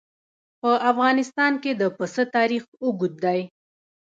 په افغانستان کې د پسه تاریخ اوږد دی.